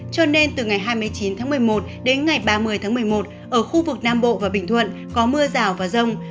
cho nên từ ngày hai mươi chín tháng một mươi một đến ngày ba mươi tháng một mươi một ở khu vực nam bộ và bình thuận có mưa rào và rông